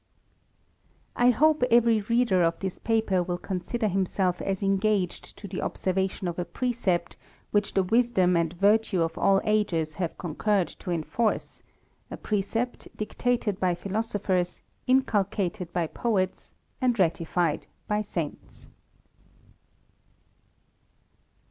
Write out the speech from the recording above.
I hope every reader of this paper will consider hii^iself 58 THE RAMBLER, Kas engaged to the observation of a precept, which the 7 I yisdom and virtue of all ages have concurred to enforce; ai precept, dictated by philosophers, inculcated by poets, and ratified by saints.